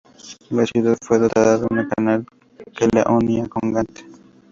La ciudad fue dotada de un canal que la unía con Gante.